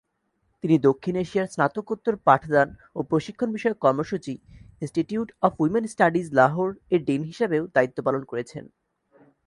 তিনি দক্ষিণ এশিয়ার স্নাতকোত্তর পাঠদান ও প্রশিক্ষণ বিষয়ক কর্মসূচি "ইনস্টিটিউট অফ উইমেন স্টাডিজ লাহোর"-এর ডিন হিসাবেও দায়িত্ব পালন করেছেন।